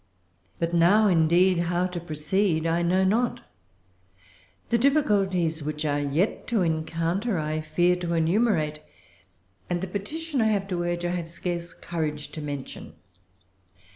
But now, indeed, how to proceed I know not. The difficulties which are yet to encounter I fear to enumerate, and the petition I have to urge I have scarce courage to mention.